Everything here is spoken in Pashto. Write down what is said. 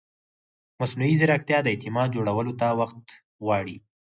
مصنوعي ځیرکتیا د اعتماد جوړولو ته وخت غواړي.